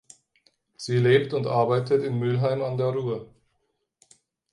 Sie lebt und arbeitet in Mülheim an der Ruhr.